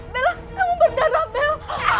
bella kamu berdarah bel